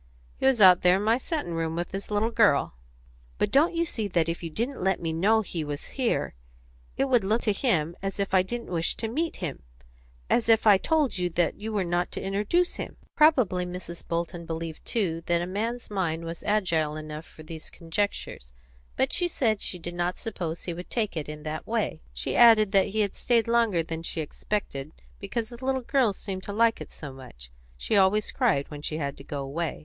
"He was out there in my settin' room with his little girl." "But don't you see that if you didn't let me know he was here it would look to him as if I didn't wish to meet him as if I had told you that you were not to introduce him?" Probably Mrs. Bolton believed too that a man's mind was agile enough for these conjectures; but she said she did not suppose he would take it in that way; she added that he stayed longer than she expected, because the little girl seemed to like it so much; she always cried when she had to go away.